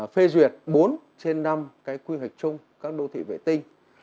phê duyệt bốn trên năm quy hoạch chung các đô thị vệ tinh